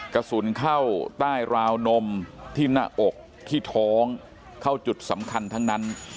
กระสุนเข้าใต้ราวนมที่หน้าอกที่ท้องเข้าจุดสำคัญทั้งนั้น